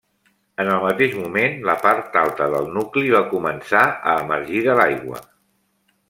En el mateix moment, la part alta del nucli va començar a emergir de l'aigua.